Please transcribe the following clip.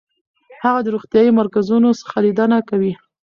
هغه د روغتیايي مرکزونو څخه لیدنه کوي.